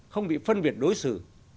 không bị phân biệt đối xử